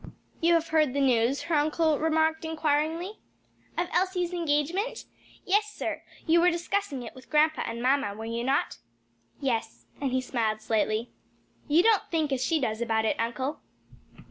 "You have heard the news?" her uncle remarked inquiringly. "Of Elsie's engagement? Yes, sir. You were discussing it with grandpa and mamma, were you not?" "Yes," and he smiled slightly. "You don't think as she does about it, uncle?"